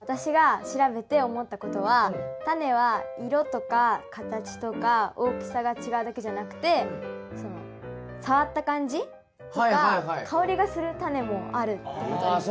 私が調べて思ったことはタネは色とか形とか大きさが違うだけじゃなくて触った感じとか香りがするタネもあるってことに気付きました。